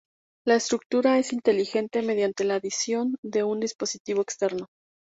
La estructura es inteligente, mediante la adición de un dispositivo externo.